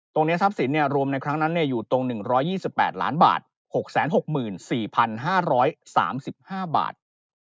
ทรัพย์สินรวมในครั้งนั้นอยู่ตรง๑๒๘ล้านบาท๖๖๔๕๓๕บาท